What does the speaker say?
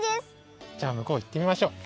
じゃあむこういってみましょう。